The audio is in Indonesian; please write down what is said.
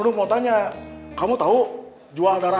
sekarang bagaimana dulu ya